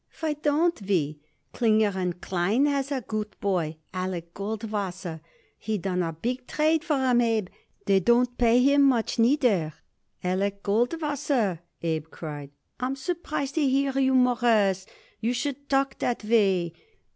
"Why don't we? Klinger & Klein has a good boy, Alec Goldwasser. He done a big trade for 'em, Abe, and they don't pay him much, neither." "Alec Goldwasser!" Abe cried. "I'm surprised to hear you, Mawruss, you should talk that way.